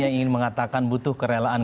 yang ingin mengatakan butuh kerelaan